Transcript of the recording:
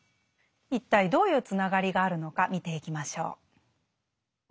一体どういうつながりがあるのか見ていきましょう。